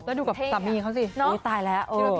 แล้วดูกับสามีเขาสิ